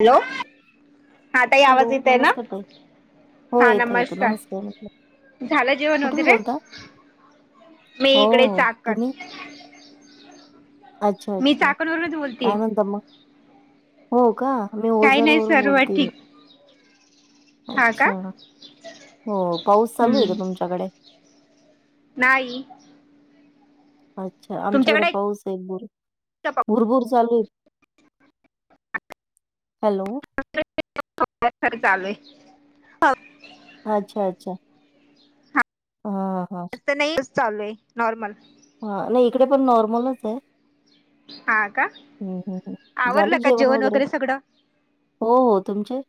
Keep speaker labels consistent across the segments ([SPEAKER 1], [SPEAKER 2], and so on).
[SPEAKER 1] Hello हा ताई
[SPEAKER 2] hello
[SPEAKER 1] आवाज येतय ना
[SPEAKER 2] नमस्कार ताई हो
[SPEAKER 1] हा
[SPEAKER 2] येतो येतो
[SPEAKER 1] नमस्कार
[SPEAKER 2] म्हटलं
[SPEAKER 1] झालं जेवण
[SPEAKER 2] कुठून
[SPEAKER 1] वगैरे
[SPEAKER 2] बोलता
[SPEAKER 1] मी
[SPEAKER 2] हो
[SPEAKER 1] इकडे
[SPEAKER 2] हो
[SPEAKER 1] चाकण
[SPEAKER 2] तुम्ही अच्छा
[SPEAKER 1] मी
[SPEAKER 2] अच्छा
[SPEAKER 1] चाकण वरूनच
[SPEAKER 2] काय
[SPEAKER 1] बोलतेय.
[SPEAKER 2] म्हणता मग हो का मी
[SPEAKER 1] काही
[SPEAKER 2] ओझर
[SPEAKER 1] नाही
[SPEAKER 2] वरून
[SPEAKER 1] सर्व
[SPEAKER 2] बोलते म
[SPEAKER 1] ठीक हा का
[SPEAKER 2] अच्छा हो पाऊस चालू ये का तुमच्याकडे
[SPEAKER 1] नाई
[SPEAKER 2] अच्छा आमच्याकडे
[SPEAKER 1] तुमच्याकडे
[SPEAKER 2] पाऊस आहे भर भुरभूर चालू आहे. हॅलो.
[SPEAKER 1] खर चालू आहे [inaudible]
[SPEAKER 2] अच्छा अच्छा. ह.
[SPEAKER 1] जास्त नाही चालू आहे नॉर्मल.
[SPEAKER 2] हा नाही इकडे पण नॉर्मलच आहे.
[SPEAKER 1] हा का
[SPEAKER 2] हम हम
[SPEAKER 1] आवरलं
[SPEAKER 2] झालं
[SPEAKER 1] का
[SPEAKER 2] जेवण वगैरे.
[SPEAKER 1] सगळं
[SPEAKER 2] हो हो, तुमचे.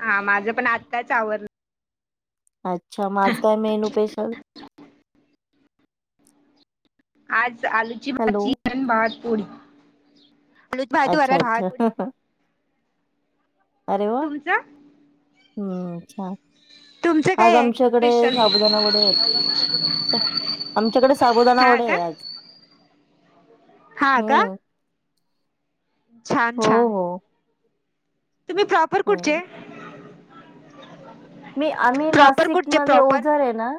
[SPEAKER 1] हा माझं पण आत्ताच आवरलं.
[SPEAKER 2] अच्छा माझं काय मेनू पेशल.
[SPEAKER 1] आज आलूची
[SPEAKER 2] हॅलो
[SPEAKER 1] भाजी भातपोडी.
[SPEAKER 2] अच्छा अच्छा
[SPEAKER 1] तुमच.
[SPEAKER 2] हम्म च्छा.
[SPEAKER 1] तुमचं
[SPEAKER 2] आज
[SPEAKER 1] काय आहे
[SPEAKER 2] आमच्याकडे
[SPEAKER 1] स्पेशल
[SPEAKER 2] साबुदाणा वडे होत. साबुदाना
[SPEAKER 1] हा
[SPEAKER 2] वडे
[SPEAKER 1] का
[SPEAKER 2] हाय आज.
[SPEAKER 1] हा का.
[SPEAKER 2] हम्म.
[SPEAKER 1] छान
[SPEAKER 2] हो
[SPEAKER 1] छान.
[SPEAKER 2] हो.
[SPEAKER 1] तुम्ही प्रॉपर कुठचे.
[SPEAKER 2] हम्म. मी आम्ही
[SPEAKER 1] प्रॉपर कुठचे
[SPEAKER 2] नाशिकमध्ये
[SPEAKER 1] प्रॉपर?
[SPEAKER 2] ओझार आहे ना.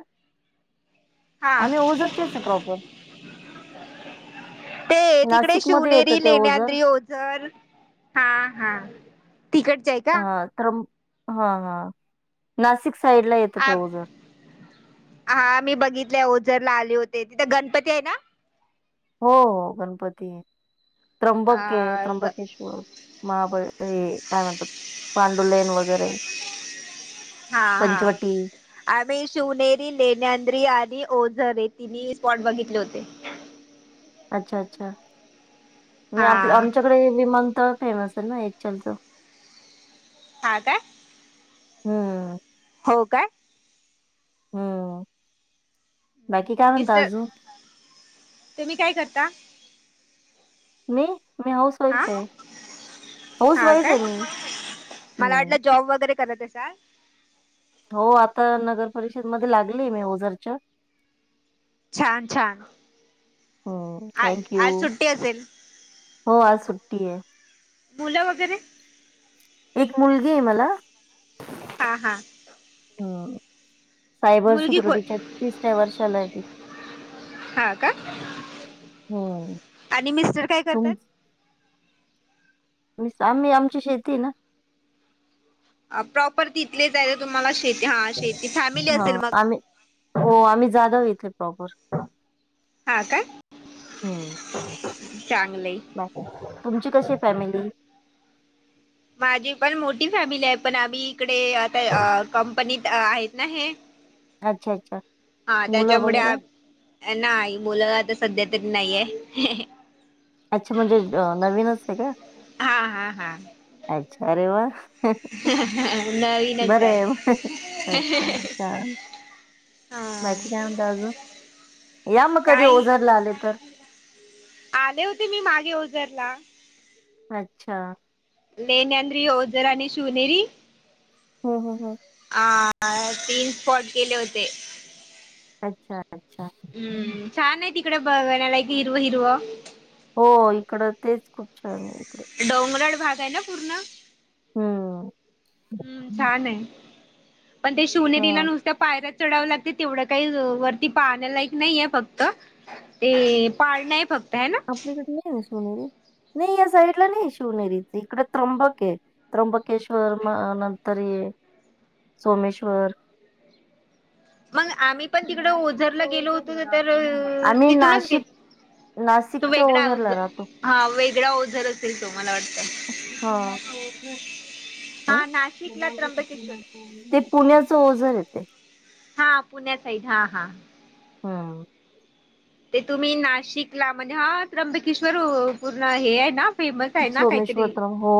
[SPEAKER 1] हा.
[SPEAKER 2] आम्ही ओझरचेच आहे प्रॉपर.
[SPEAKER 1] ते तिकडे
[SPEAKER 2] नाशिकमध्ये येतं
[SPEAKER 1] शिवनेरी
[SPEAKER 2] ते ओझर
[SPEAKER 1] लेण्यांद्री होत. हा हा, तिकड.
[SPEAKER 2] हा तर हा हा, नाशिक साईड ला येतं ते
[SPEAKER 1] आ
[SPEAKER 2] ओझर.
[SPEAKER 1] हा मी बघितले ओझरला आले होते तिथे गणपती आहे ना.
[SPEAKER 2] हो हो गणपती आहे त्र्यंबके आहे
[SPEAKER 1] अ ग
[SPEAKER 2] त्र्यंबकेश्वर. महाबळ हे काय म्हणतात पांडुलेन वगैरे.
[SPEAKER 1] हा हा.
[SPEAKER 2] पंचवटी
[SPEAKER 1] आम्ही शिवनेरी लेण्यांद्री आणि ओझरे तिन्ही स्पॉट बघितले होते.
[SPEAKER 2] अच्छा अच्छा आणि
[SPEAKER 1] हा
[SPEAKER 2] आप आमच्याकडे विमानतळ फेमस आहे ना एकच्यालच.
[SPEAKER 1] हा काय.
[SPEAKER 2] हम्म.
[SPEAKER 1] हो काय.
[SPEAKER 2] हम्म बाकी काय म्हणत आजू.
[SPEAKER 1] तुही काय करता.
[SPEAKER 2] मी म्यज.
[SPEAKER 1] ह हा, काय
[SPEAKER 2] आहे मी.
[SPEAKER 1] मला वाट
[SPEAKER 2] हम्म.
[SPEAKER 1] जॉब वगैरे. करत असाल.
[SPEAKER 2] हो आता नगर परिषदमध्ये लागलीय मी ओझरच्या.
[SPEAKER 1] छान छान
[SPEAKER 2] हम्म.
[SPEAKER 1] आज
[SPEAKER 2] थँक यू.
[SPEAKER 1] आज सुट्टी असेल.
[SPEAKER 2] हो आज सुट्टी आहे.
[SPEAKER 1] मुलं वगैरे.
[SPEAKER 2] एक मुलगी आहे मला.
[SPEAKER 1] हा हा.
[SPEAKER 2] अ सायबर
[SPEAKER 1] मुलगी को
[SPEAKER 2] सिक्युरिटीच्या तिसऱ्या वर्षाला आहे ती.
[SPEAKER 1] हा का,
[SPEAKER 2] हम्म.
[SPEAKER 1] आणि मिस्टर काय
[SPEAKER 2] तुम
[SPEAKER 1] करतात?
[SPEAKER 2] आम्ही आमची शेती ना.
[SPEAKER 1] प्रॉपर तिथलेच आहे तुम्हाला शेती हा शेती फॅमिली
[SPEAKER 2] हा
[SPEAKER 1] असेल मग?
[SPEAKER 2] आम्ही हो आम्ही जाधव इथे प्रॉपर.
[SPEAKER 1] हा काय?
[SPEAKER 2] हम्म.
[SPEAKER 1] चांगलं.
[SPEAKER 2] बाय. तुमची कशी फॅमिली?
[SPEAKER 1] माझी पण मोठी फॅमिली आहे, पण आम्ही इकडे आता अ- कंपनीत आहेत ना हे,
[SPEAKER 2] अच्छा अच्छा.
[SPEAKER 1] ह
[SPEAKER 2] मुलं
[SPEAKER 1] त्याच्यामुळे
[SPEAKER 2] वगैरे?
[SPEAKER 1] नाही मुलं आता सध्या तरी नाहीेये.
[SPEAKER 2] अच्छा! म्हणजे अ नवीनच आहे का?
[SPEAKER 1] हा हा हा.
[SPEAKER 2] अच्छ! अरे वा!
[SPEAKER 1] नवीनच
[SPEAKER 2] बर
[SPEAKER 1] आहे
[SPEAKER 2] अच्छाच्छा!
[SPEAKER 1] हा
[SPEAKER 2] बाकी काय म्हणत अजुन? या मग कधी
[SPEAKER 1] काही
[SPEAKER 2] ओझारला आले तर.
[SPEAKER 1] आले होते मी मागे ओझरला.
[SPEAKER 2] अच्छा!
[SPEAKER 1] नेन अन्री, ओजरा आणि शिवनेरी
[SPEAKER 2] हो हो हो.
[SPEAKER 1] आ तीन स्पॉट गेले होते.
[SPEAKER 2] अच्छा! अच्छा
[SPEAKER 1] हम्म, छान आहे तिकडे बघण्या लाईक हिरव -हिरव.
[SPEAKER 2] हो इकडं तेच खूप छान आहे इकडे.
[SPEAKER 1] डोंगरळ भाग आहे ना पूर्ण?
[SPEAKER 2] हम्म
[SPEAKER 1] हम्म, छान आहे. पण ते शिवनेरीला
[SPEAKER 2] हा.
[SPEAKER 1] नुसत्या पायऱ्या चढावं लागते तेवढं काही वरती पाहण्या लायक नाहीय फक्त ते पाळ नाही फक्त. आहे ना.
[SPEAKER 2] आपली इकडे नाही ना शिवनेरी, नाही या साईडला नाही शिवनेरीच इकड त्र्यंबक आहे. त्र्यंबकेश्वर म नंतर ये सोमेश्वर
[SPEAKER 1] मग आम्ही पण तिकड ओझरला गेलो होतो तर
[SPEAKER 2] आम्ही
[SPEAKER 1] तिथूनच गे
[SPEAKER 2] नाशिक
[SPEAKER 1] तू
[SPEAKER 2] नाशिकच्या
[SPEAKER 1] वेगळा
[SPEAKER 2] ओझरला राहतो.
[SPEAKER 1] हा वेगळाया ओझर त मला वाटत.
[SPEAKER 2] हा. अं?
[SPEAKER 1] हा नाशिकला त्र्यंबकेश्वर
[SPEAKER 2] ते पुण्याच ओझर येते.
[SPEAKER 1] हा पुण्या साईड हा हा.
[SPEAKER 2] हा
[SPEAKER 1] ते तुम्ही नाशिकला म्हणजे हा त्र्यंबकेश्वर पूर्ण हे आहे ना फेमस आहे ना
[SPEAKER 2] सोमेश्वर
[SPEAKER 1] काहीतरी
[SPEAKER 2] तर हो.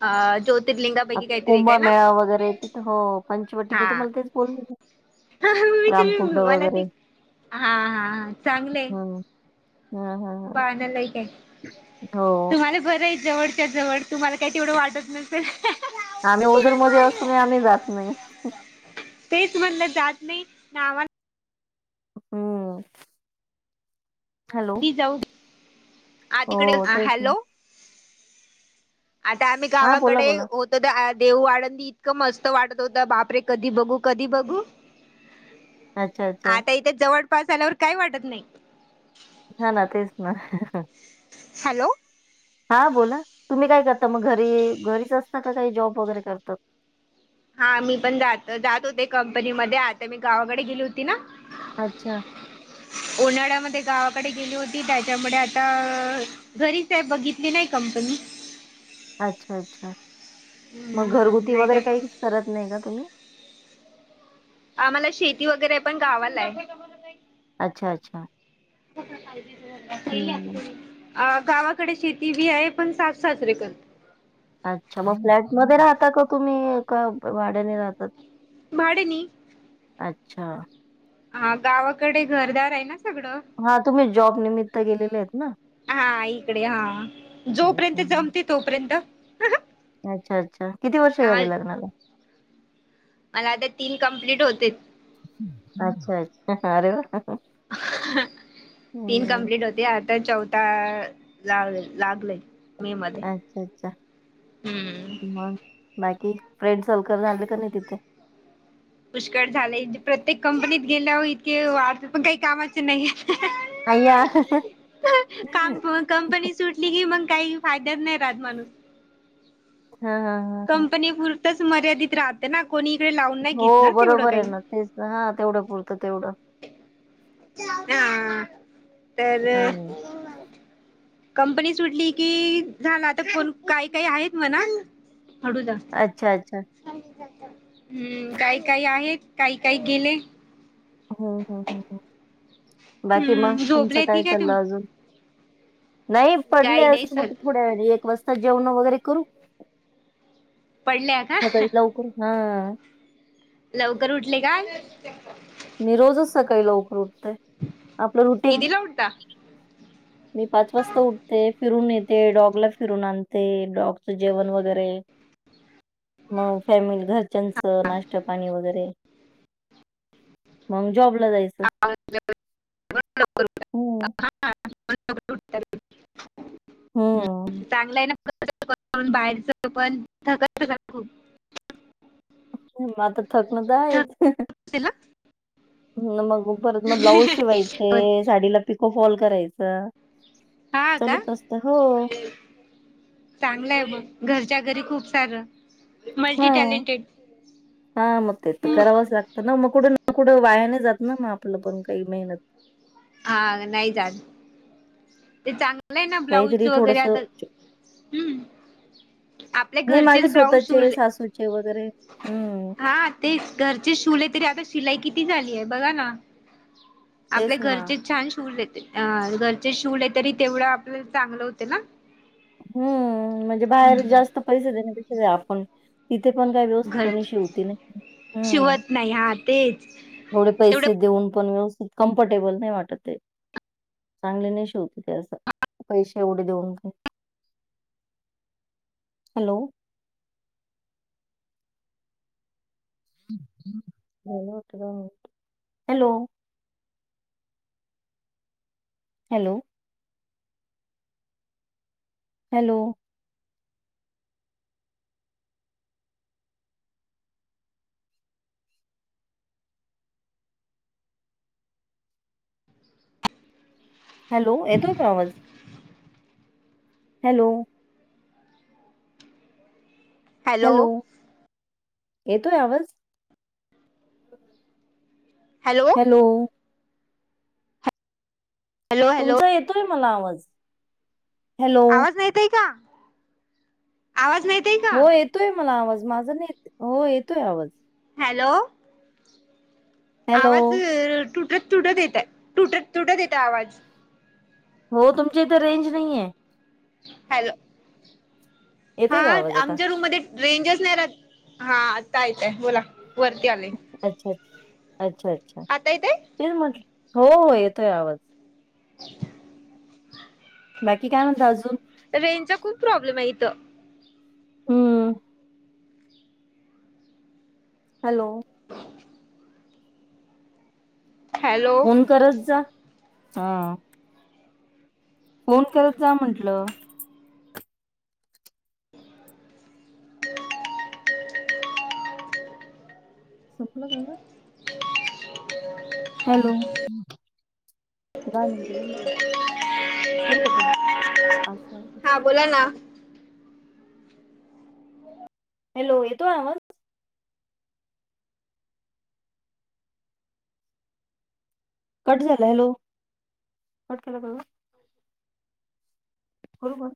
[SPEAKER 1] अ
[SPEAKER 2] आ
[SPEAKER 1] ज्योतिर्लिंगापैकी काहीतरी एक आहे ना
[SPEAKER 2] कुंभमेळा वगैरे तिथं हो पंचवटी मी तुम्हाला तेच बोल
[SPEAKER 1] हा ममी तुम्ही मला ते हा हा चांगलं.
[SPEAKER 2] हं. हं, हं, हं.
[SPEAKER 1] पाहण्यालाय काय,
[SPEAKER 2] हो.
[SPEAKER 1] तुम्हाला बरं आहे जवळच्या जवळ तुम्हाला काही तेवढं वाटत न ह [unintelligible]
[SPEAKER 2] आम्ही ओझरमध्ये असून आम्ही जात नाही.
[SPEAKER 1] तेच म्हणलं जात नाही नावा
[SPEAKER 2] हो. हॅलो!
[SPEAKER 1] ऊ तिकडे
[SPEAKER 2] हो तेच ना.
[SPEAKER 1] हॅलो! आता आम्ही
[SPEAKER 2] हां बोला,
[SPEAKER 1] गावाकडे
[SPEAKER 2] बोला.
[SPEAKER 1] हो देऊ वाडंदी इतकं मस्त वाटत होतं बापरे कधी बघू कधी बघू
[SPEAKER 2] अच्छा, अच्छा.
[SPEAKER 1] आता इथे जवळ पाऊस झाल्यावर काही वाटत नाही.
[SPEAKER 2] हा ना तेच ना.
[SPEAKER 1] हॅलो
[SPEAKER 2] हा बोला तुम्ही काय करता मग घरी घरीच असता का काही जॉब वगैरे करतात.
[SPEAKER 1] हा मी पण जात जात होते कंपनी मध्ये आता मी गावाकडे गेली होती ना
[SPEAKER 2] अच्छा
[SPEAKER 1] उन्हाळ्यामध्ये गावाकडे गेली होती त्याच्यामुळे आता घरीच आहे बघितली नाही कंपनी
[SPEAKER 2] अच्छा अच्छा मग
[SPEAKER 1] हम्म
[SPEAKER 2] घरगुती
[SPEAKER 1] नाही तर
[SPEAKER 2] वगैरे काही करत नाही का तुम्ही
[SPEAKER 1] आम्हाला शेती वगैरे पण गावाला आहे.
[SPEAKER 2] अच्छा अच्छा
[SPEAKER 1] क पाहिजे सैली
[SPEAKER 2] हं.
[SPEAKER 1] असते [unintelligible] अ गावाकडे शेती बी आहे पण सासू-सासरे पण
[SPEAKER 2] अच्छा मग फ्लॅटमध्ये राहता का तुम्ही का भाड्याने राहता.
[SPEAKER 1] भाड्याने
[SPEAKER 2] अच्छा
[SPEAKER 1] हा गावाकडे घरदार आहे ना सगळं
[SPEAKER 2] हा तुम्ही जॉब निमित्त गेलेले आहेत ना?
[SPEAKER 1] हा इकडे हा जोपर्यंत
[SPEAKER 2] हम्म.
[SPEAKER 1] जमते तोपर्यंत
[SPEAKER 2] अच्छा अच्छा किती वर्ष
[SPEAKER 1] हा
[SPEAKER 2] झाले लग्नाला
[SPEAKER 1] मला आता तीन कं्प्लीट होते.
[SPEAKER 2] अच्छा अच्छा अरे वा.
[SPEAKER 1] तीन
[SPEAKER 2] हम्म
[SPEAKER 1] कं्प्लीट होते आता चौथा ला लागलय. मे मध्ये
[SPEAKER 2] अच्छा अच्छा
[SPEAKER 1] हम्म
[SPEAKER 2] मग बाकी फ्रेंड सलकर झाले का नाही तिथे
[SPEAKER 1] पुष्कळ झालेये प्रत्येक कंपनीत गेल्यावर इतके वाढत पण काही कामाच नाही.
[SPEAKER 2] अयया
[SPEAKER 1] काम कंपनी सुटली की मग काही फायद्याच नाही रात माणूस
[SPEAKER 2] हा हा हा
[SPEAKER 1] कंपनी पुुरतच मर्यादित राहते ना कोणी इकडे लावून नाही
[SPEAKER 2] हो
[SPEAKER 1] घेतणार तेवढं
[SPEAKER 2] बरोबर
[SPEAKER 1] काही
[SPEAKER 2] आहे ना तेच हा तेवढं पुरतं तेवढं.
[SPEAKER 1] हा तर
[SPEAKER 2] हम्म
[SPEAKER 1] कंपनी सुटली कि झाला तर फण काही काही आहेत म्हणा हडूदा
[SPEAKER 2] अच्छा अच्छा
[SPEAKER 1] हम्म काय काय आहेत काही काही गेले.
[SPEAKER 2] ह बाकी मग
[SPEAKER 1] हम्म
[SPEAKER 2] तुमचं
[SPEAKER 1] झोपले की
[SPEAKER 2] काय चाललं
[SPEAKER 1] तुम्ही?
[SPEAKER 2] अजून नाही पडले
[SPEAKER 1] काही नाही
[SPEAKER 2] असं
[SPEAKER 1] सर
[SPEAKER 2] मग थोड्या वे वस्तात जेवण वगैरे करू
[SPEAKER 1] पडल्या का?
[SPEAKER 2] सकाळी लवकर हा.
[SPEAKER 1] लवकर उठले का?
[SPEAKER 2] मी रोजच सकाळी लकर र उठतय आपलं रुटीन
[SPEAKER 1] कितीला उठता?
[SPEAKER 2] मी पाच वाजता उठते फिरून येते डॉगला फिरून आणते डॉगचं जेवण वगैरे मग फॅमिली घरच्यांचं नाश्त पाणी वगैरे मग जॉ
[SPEAKER 1] आमच्या वेळी रोज लवकर
[SPEAKER 2] हम्म.
[SPEAKER 1] उठायचं रोज लवकर
[SPEAKER 2] हम्म,
[SPEAKER 1] उठून चांगलं हाय ना. घरचं पणं, बाहेरच पण थकत असाल खूप.
[SPEAKER 2] म आता थकन तर
[SPEAKER 1] थक
[SPEAKER 2] हायच.
[SPEAKER 1] असेल ना?
[SPEAKER 2] म्हणलं बघु परत म ब्लाऊज शिवायचे, साडीला पिको फॉल करायचं.
[SPEAKER 1] हां का?
[SPEAKER 2] चालूच असतं हो.
[SPEAKER 1] चांगलं हाय मग, घरच्या घरी खूप सारं, मल्टी टॅलेंटेड. [unintelligible]
[SPEAKER 2] हा मग ते तर
[SPEAKER 1] हम्म
[SPEAKER 2] करावंच लागतं ना, मग कुठे ना कुठं वाया नाई जात ना? मग आपलं काही मेहनत.
[SPEAKER 1] हा नाही जात. ते चांगलं हाय ना, ब्लाऊज
[SPEAKER 2] काहीतरी
[SPEAKER 1] वगैरे
[SPEAKER 2] थोडंसं
[SPEAKER 1] आता हम्. आपल्या
[SPEAKER 2] नाही
[SPEAKER 1] घरचेच
[SPEAKER 2] माझे
[SPEAKER 1] ब्लाऊज
[SPEAKER 2] स्वतःचे,
[SPEAKER 1] शिवले,
[SPEAKER 2] सासूचे वगैरे. हम्म,
[SPEAKER 1] हा. तेच घरचे शिवले तरी, आता शिलाई किती झाली आहे बघा ना? आपल्या
[SPEAKER 2] तेच ना.
[SPEAKER 1] घरचेच छान शिवलेत, अ घरचे शिवले तरी तेवढं आपलं चांगलं होते ना.
[SPEAKER 2] हुं म्हणजे बाहेर जास्त पैसे देण्यापेक्षा जे आपण इथे पण काय व्यवस्थित
[SPEAKER 1] घर
[SPEAKER 2] कोणी शिवते नाही हम्म.
[SPEAKER 1] शिवत नाही हा तेच
[SPEAKER 2] थोडे
[SPEAKER 1] तेवढं
[SPEAKER 2] पैसे देऊन पण, व्यवस्थित कम्फर्टेबल नाही वाटतय ते. चांगले नाही शिवतेती, आता अ पैसे एवढे देऊन पणं hello. Hello. Hello. Hello. Hello, येतोय का आवाज? हॅलो. हॅलो, येतोय आवाज? हो [inaudible]
[SPEAKER 1] हॅलो.
[SPEAKER 2] हॅलो.
[SPEAKER 1] हॅलो हॅलो
[SPEAKER 2] तुमचा येतोय मला आवाज? हॅलो,
[SPEAKER 1] आवाज नाही येतय का? आवाज नाही येत.
[SPEAKER 2] हो येतोय मला आवाज, माझा नाही येत, हो येतोय आवाज.
[SPEAKER 1] हॅलो.
[SPEAKER 2] हॅलो,
[SPEAKER 1] आवाज अ तुटत तुटत येताय, तुटत तुटत येताय आवाज.
[SPEAKER 2] हो, तुमच्या इथं रेंज नाही हाय.
[SPEAKER 1] हॅलो. हा
[SPEAKER 2] येतोय का आवाज आता?
[SPEAKER 1] आमच्या रूम मधे रेंजस नाही रहात. हा आता येताय बोला, वरती आले.
[SPEAKER 2] अच्छा अच्छा अच्छा.
[SPEAKER 1] आता येतय.
[SPEAKER 2] तेच म्हटलं, हो ओ येतोय आवाज.
[SPEAKER 1] अ [inaudible]
[SPEAKER 2] बाकी काय म्हणता अजून?
[SPEAKER 1] रेंजचा खूप प्रॉब्लेम हाय इथं.
[SPEAKER 2] हं अ. हॅलो.
[SPEAKER 1] हॅलो
[SPEAKER 2] फोन करत जा. हा. फोन करत जा म्हटलं. सपलं का ग? हॅलो? [unintelligible] करू का बंद?
[SPEAKER 1] हा बोला ना
[SPEAKER 2] [unintelligible] हॅलो, येतोय आवाज? कट झाला, हॅलो? कट केला का ग? करू बंद.